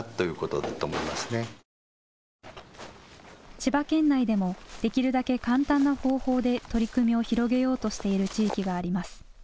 千葉県内でもできるだけ簡単な方法で取り組みを広げようとしている地域があります。